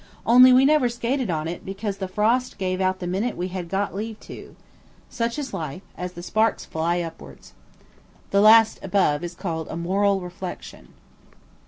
Only we never skated on it because the frost gave out the minute we had got leave to. Such is life, as the sparks fly upwards. (The last above is called a moral reflection.)